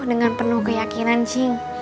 dengan penuh keyakinan cing